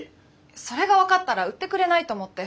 それが分かったら売ってくれないと思って。